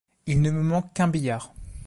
Il ne me manque qu’un billard !